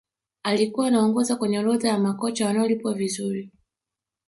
alikuwa anaongoza kwenye orodha ya makocha wanaolipwa vizuri